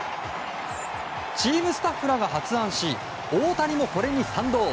チームスタッフらが発案し大谷もこれに賛同。